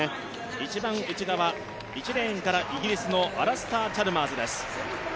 一番内側１レーンからイギリスのアラスター・チャルマーズです。